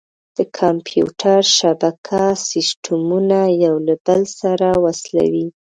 د کمپیوټر شبکه سیسټمونه یو له بل سره وصلوي.